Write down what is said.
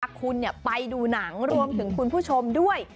คุณไปดูหนังรวมถึงคุณผู้ชมด้วย